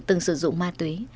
từng sử dụng ma túy